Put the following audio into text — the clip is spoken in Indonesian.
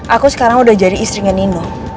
aku sekarang udah jadi istri nge nino